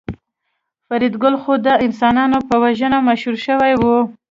فریدګل خو د انسانانو په وژنه مشهور شوی و